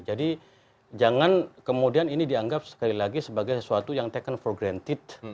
jadi jangan kemudian ini dianggap sekali lagi sebagai sesuatu yang taken for granted